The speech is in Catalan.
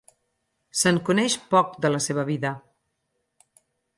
Se'n coneix poc de la seva vida.